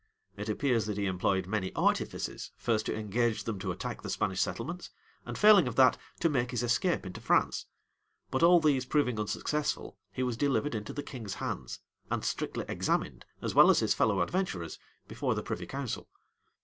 It appears that he employed many artifices, first to engage them to attack the Spanish settlements, and, failing of that, to make his escape into France: but, all these proving unsuccessful, he was delivered into the king's hands, and strictly examined, as well as his fellow adventurers, before the privy council.